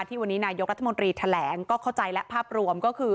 ที่วันนี้นายกรัฐมนตรีแถลงก็เข้าใจและภาพรวมก็คือ